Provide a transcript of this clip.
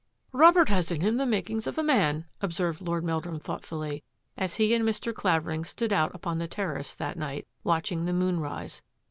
Robert has in him the makings of a man," observed Lord Meldrum thoughtfully, as he and Mr. Clavering stood out upon the terrace that night, watching the moon rise.